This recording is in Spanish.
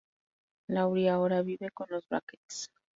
Laurie ahora vive con los Brackett.